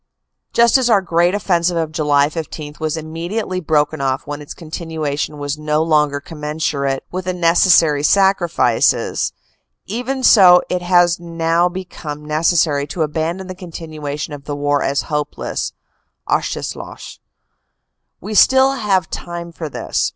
; Just as our great offensive of July 15 was immediately broken off when its continuation was no longer commensurate with the necessary sacrifices, even so it has now become neces sary to abandon the continuation of the war as hopeless (aus sichtslos). We still have time for this.